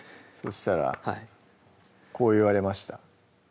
したらこう言われました